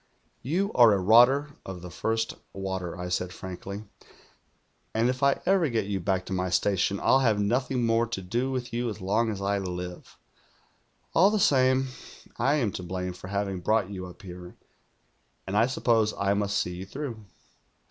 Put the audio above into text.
"' You are a rotter of the first water,' I said frankly. 'And if I ever get you back to my station, I'll have nothing more to do with you as long as I live. All the same, I am to blame for having brought you up here, and I suppose I must see you through.'